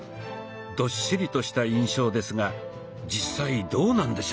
どっしりとした印象ですが実際どうなんでしょう？